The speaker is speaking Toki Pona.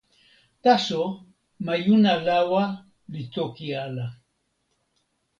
taso, majuna lawa li toki ala.